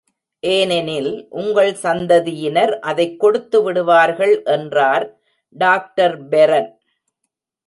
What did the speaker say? ஏனெனில், உங்கள் சந்ததியினர் அதைக் கொடுத்து விடுவார்கள் என்றார் டாக்டர் பெரன்.